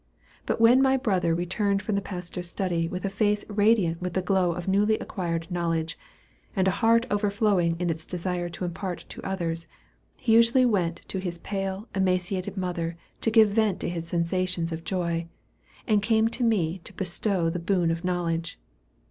But when my brother returned from the pastor's study with a face radiant with the glow of newly acquired knowledge, and a heart overflowing in its desire to impart to others, he usually went to his pale, emaciated mother to give vent to his sensations of joy, and came to me to bestow the boon of knowledge.